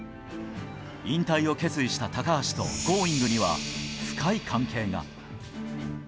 引退を決意した高橋とＧｏｉｎｇ！には深い関係が。